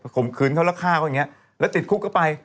ข่มขืนเขาแล้วฆ่าเขาอย่างนี้แล้วติดคุกเข้าไป